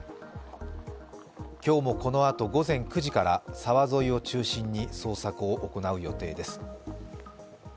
今日もこのあと、午前９時から沢沿いを中心に捜索を行う予定です。